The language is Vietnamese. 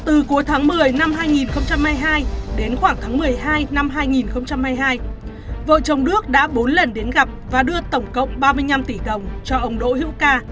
từ cuối tháng một mươi năm hai nghìn hai mươi hai đến khoảng tháng một mươi hai năm hai nghìn hai mươi hai vợ chồng đức đã bốn lần đến gặp và đưa tổng cộng ba mươi năm tỷ đồng cho ông đỗ hữu ca